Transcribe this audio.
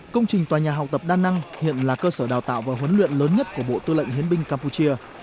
công trình tòa nhà học tập đa năng hiện là cơ sở đào tạo và huấn luyện lớn nhất của bộ tư lệnh hiến binh campuchia